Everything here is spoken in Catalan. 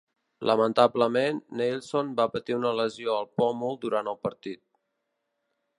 Lamentablement, Neilson va patir una lesió al pòmul durant el partit.